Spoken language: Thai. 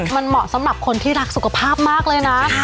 มันเหมาะสำหรับคนที่รักสุขภาพมากเลยนะ